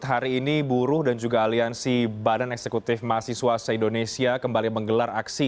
hari ini buruh dan juga aliansi badan eksekutif mahasiswa se indonesia kembali menggelar aksi